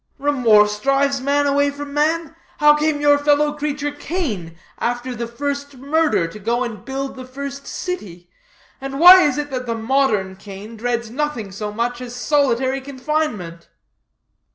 "Remorse drives man away from man? How came your fellow creature, Cain, after the first murder, to go and build the first city? And why is it that the modern Cain dreads nothing so much as solitary confinement?